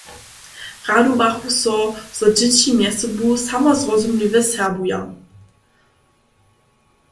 Radowachu so, zo dźěći mjez sobu samozrozumliwje serbuja.